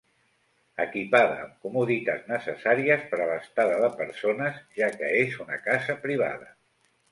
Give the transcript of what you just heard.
Equipada amb comoditats necessàries per a l'estada de persones, ja que és una casa privada.